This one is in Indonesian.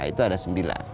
itu ada sembilan